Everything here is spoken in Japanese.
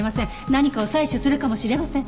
何かを採取するかもしれません。